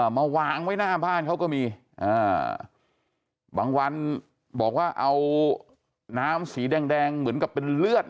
มาวางไว้หน้าบ้านเขาก็มีบางวันบอกว่าเอาน้ำสีแดงเหมือนกับเป็นเลือด